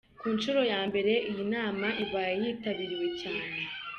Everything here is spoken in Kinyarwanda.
Ku nshuro ya mbere iyi nama ibaye yitabiriwe cyane.